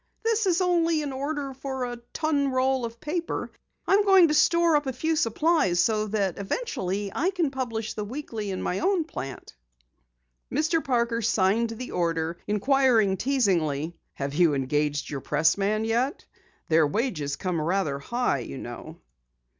"This is only an order for a ton roll of paper. I'm trying to store up a few supplies so that eventually I can publish the Weekly in my own plant." Mr. Parker signed the order, inquiring teasingly: "Have you engaged your pressman yet? Their wages come rather high you know."